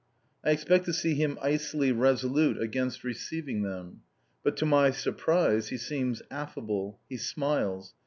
I expected to see him icily resolute against receiving them. But to my surprise he seems affable. He smiles.